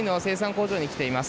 工場に来ています。